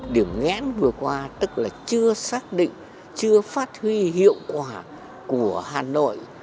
điểm nghẽn vừa qua tức là chưa xác định chưa phát huy hiệu quả của hà nội